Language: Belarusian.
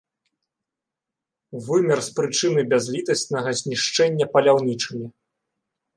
Вымер з прычыны бязлітаснага знішчэння паляўнічымі.